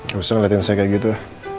gak usah ngeliatin saya kayak gitu